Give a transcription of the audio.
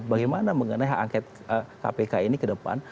bagaimana mengenai hak angket kpk ini ke depan